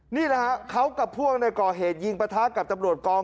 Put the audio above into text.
นี่แหละฮะเขากับพวกในก่อเหตุยิงประทะกับตำรวจกอง